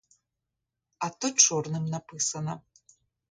А то чорним написана.